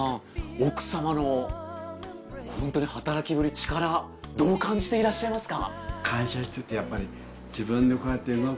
奥様のホントに働きぶり力どう感じていらっしゃいますか？